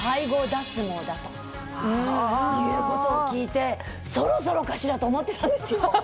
だということを聞いてそろそろかしらと思ってたんですよ。